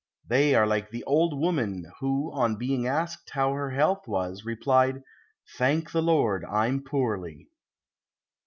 They are like the old woman who on being asked how her health was, replied: "Thank the Lord, I'm poorly."